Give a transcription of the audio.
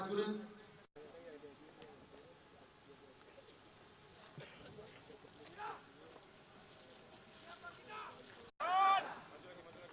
tolong dipertahankan dengan peracuran